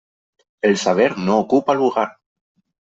El saber no ocupa lugar.